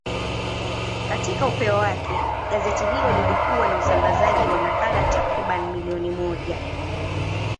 Katika upeo wake, gazeti hilo lilikuwa na usambazaji wa nakala takriban milioni moja.